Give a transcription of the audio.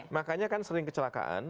makanya kan sering kecelakaan